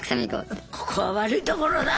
ここは悪いところだ！